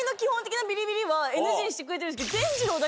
番組の。にしてくれてるんですけど。